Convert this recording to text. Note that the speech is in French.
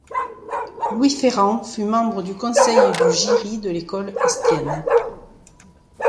Louis Ferrand fut membre du conseil et du jyry de l'Ecole Estienne.